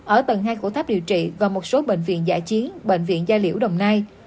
ở tầng hai của tháp điều trị và một số bệnh viện giả chiến bệnh viện gia liễu đồng nai